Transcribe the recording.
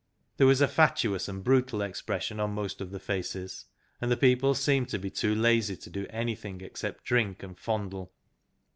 There was a fatuous and brutal expression on most of the faces, and the people seemed to be too lazy to do anything except drink and fondle.